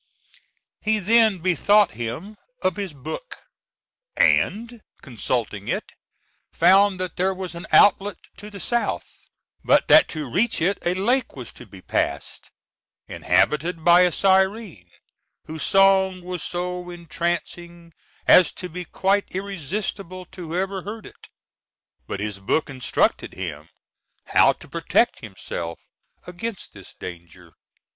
He then bethought him of his book, and, consulting it, found that there was an outlet to the south, but that to reach it a lake was to be passed, inhabited by a siren, whose song was so entrancing as to be quite irresistible to whoever heard it; but his book instructed him how to protect himself against this danger.